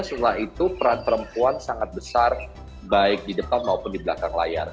setelah itu peran perempuan sangat besar baik di depan maupun di belakang layar